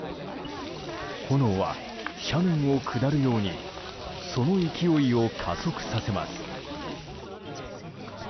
炎は、斜面を下るようにその勢いを加速させます。